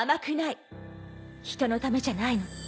人のためじゃないの。